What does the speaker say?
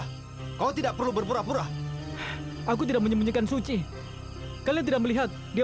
setelah itu kita bunuh wanita itu